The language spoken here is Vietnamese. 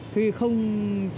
khi không sợ